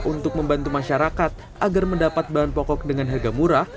untuk membantu masyarakat agar mendapat bahan pokok dengan harga murah